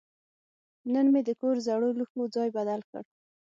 نن مې د کور زړو لوښو ځای بدل کړ.